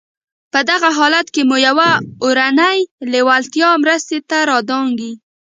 په دغه حالت کې مو يوه اورنۍ لېوالتیا مرستې ته را دانګي.